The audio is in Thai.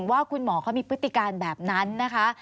ว่าคุณหมอเขามีพฤติการแบบนั้นนะคะ